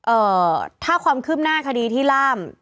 เอ่อถ้าความคืบหน้าคดีที่ล่าม